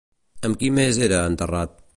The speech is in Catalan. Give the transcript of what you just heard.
Amb qui més era enterrat?